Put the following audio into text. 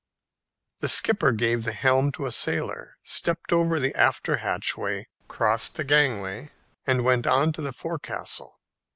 The skipper gave the helm to a sailor, stepped over the after hatchway, crossed the gangway, and went on to the forecastle.